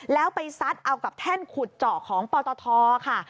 แล้วไปซัดเอากับแท่นขุดเจาะของปตทค่ะ